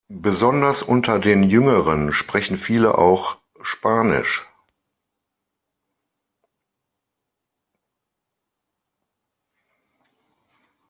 Besonders unter den Jüngeren sprechen viele auch Spanisch.